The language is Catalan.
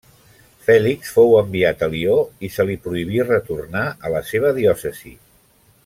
Fèlix fou enviat a Lió i se li prohibí retornar a la seva diòcesi.